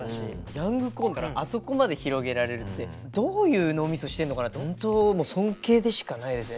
ヤングコーンからあそこまで広げられるってどういう脳みそしてんのかなってホントもう尊敬でしかないですね